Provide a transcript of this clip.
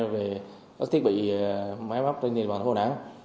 về các thiết bị máy bắp trên nền bản hồ đảng